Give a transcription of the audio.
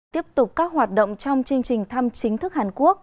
tiếp tục các hoạt động trong chương trình thăm chính thức hàn quốc